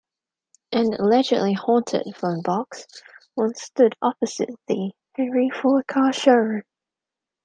An allegedly 'haunted' phone box once stood opposite the Hendy Ford car showroom.